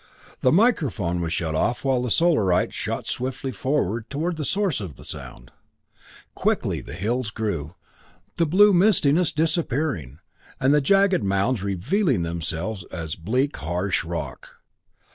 The microphone was shut off while the Solarite shot swiftly forward toward the source of the sound. Quickly the hills grew, the blue mistiness disappearing, and the jagged mounds revealing themselves as bleak harsh rock.